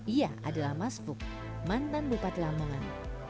ia adalah mas vuk mantan bupati lamangan